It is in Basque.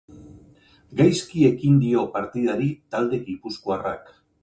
Gaizki ekin dio partidari talde gipuzkoarrak.